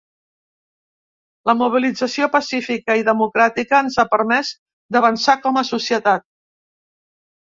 La mobilització pacífica i democràtica ens ha permès d’avançar com a societat.